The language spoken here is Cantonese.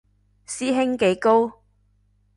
師兄幾高